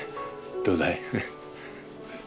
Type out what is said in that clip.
どうだい？